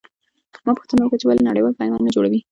ما پوښتنه وکړه چې ولې نړېوال پیوند نه جوړوي.